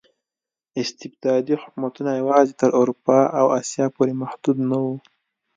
استبدادي حکومتونه یوازې تر اروپا او اسیا پورې محدود نه وو.